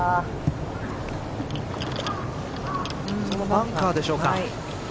そのバンカーでしょうか。